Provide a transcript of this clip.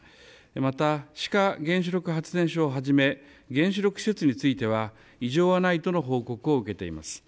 また志賀原子力発電所をはじめ原子力施設については異常はないとの報告を受けています。